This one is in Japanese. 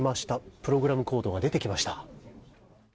プログラムコードが出てきました。